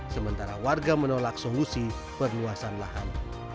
sementara warga menolak solusi perluasan lahan